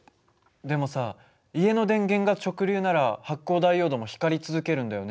でもさ家の電源が直流なら発光ダイオードも光り続けるんだよね。